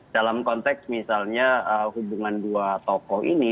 dalam konteks misalnya hubungan dua tokoh ini